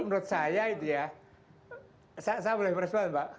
menurut saya itu ya saya boleh merespon pak